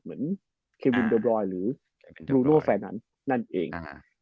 เหมือนเควินเดอร์บรอยหรือรูโรแฟนันนั่นเอง